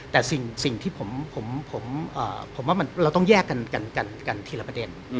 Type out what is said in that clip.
แต่สิ่งที่ผมว่าเราต้องแยกกันทีละประเด็น